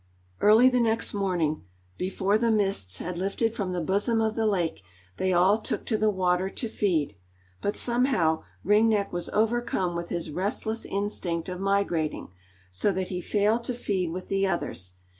Early the next morning, before the mists had lifted from the bosom of the lake, they all took to the water to feed. But somehow, Ring Neck was overcome with his restless instinct of migrating, so that he failed to feed with the others.